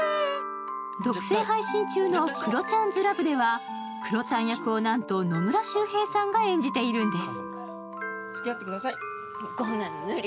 独占配信中の「クロちゃんずラブ」ではクロちゃん役をなんと野村周平さんが演じているんです。